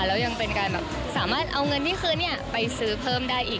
และเป็นการสามารถเอาเงินที่คืนนี้ไปซื้อเพิ่มได้อีก